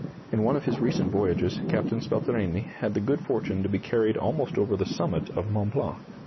In one of his recent voyages Captain Spelterini had the good fortune to be carried almost over the summit of Mont Blanc.